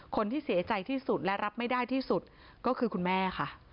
คนที่เสียใจที่สุดและรับไม่ได้ที่สุดก็คือคุณแม่ค่ะ